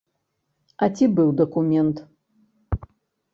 А ці быў дакумент?